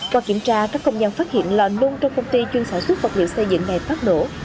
qua kiểm tra các công nhân phát hiện lò nung trong công ty chuyên sản xuất vật liệu xây dựng này phát nổ